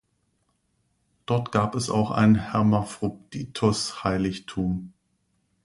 Dort gab es auch ein Hermaphroditos-Heiligtum.